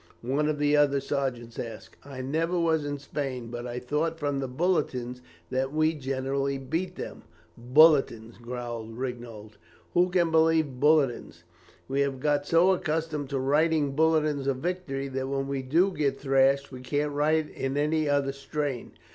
one of the other sergeants asked. "I never was in Spain, but I thought from the bulletins that we generally beat them." "Bulletins!" growled Rignold, "who can believe bulletins? We have got so accustomed to writing bulletins of victory that when we do get thrashed we can't write in any other strain.